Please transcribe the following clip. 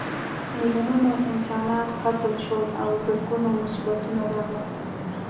میلیونونه انسانان قتل شول او زرګونه مصیبتونه راغلل.